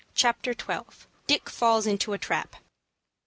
CHAPTER XII. DICK FALLS INTO A TRAP.